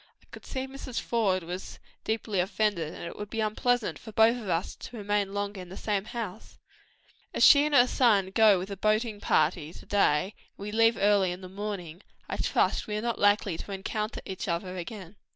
I could see that Mrs. Faude was deeply offended, and it would be unpleasant to both of us to remain longer in the same house; but as she and her son go with the boating party to day, and we leave early in the morning, we are not likely to encounter each other again."